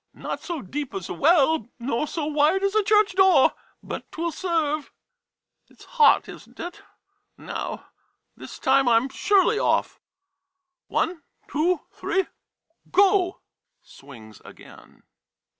]" Not so deep as a well, nor so wide as a church door, — but 't will serve/' It's hot, is n't it? Now — this time I'm surely off. One — two — three — go! [Swings again."